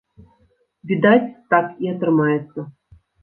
Відаць, так і атрымаецца.